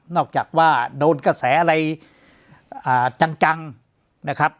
จากว่าโดนกระแสอะไรจังนะครับ